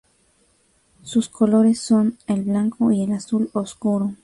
Sus colores son el blanco y el azul oscuro.